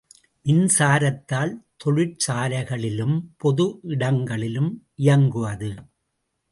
மின்சாரத்தால் தொழிற்சாலைகளிலும், பொது இடங்களிலும் இயங்குவது.